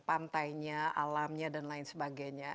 pantainya alamnya dan lain sebagainya